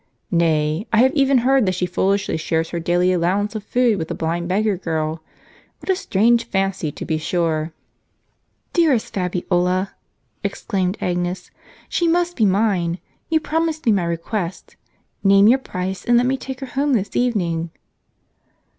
Nay, I have even heard that she foolishly shares her daily allowance of food with a blind beggar girl. What a strange fancy, to be sure !"" Dearest Fabiola," exclaimed Agnes, " she must be mine ! You promised me my request. Name your price, and let me take her home this evening."